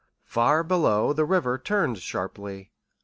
Far below the river turned sharply.